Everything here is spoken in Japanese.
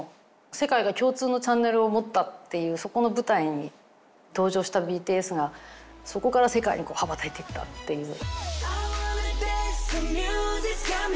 世界が共通のチャンネルを持ったっていうそこの舞台に登場したＢＴＳがそこから世界に羽ばたいていったっていう。